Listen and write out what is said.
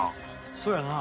そうやな。